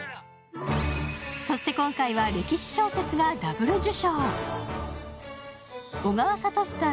そして今回は歴史小説がダブル受賞。